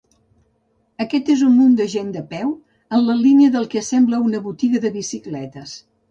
Aquest és un munt de gent de peu en la línia del que sembla una botiga de bicicletes.